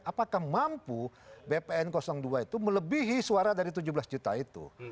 apakah mampu bpn dua itu melebihi suara dari tujuh belas juta itu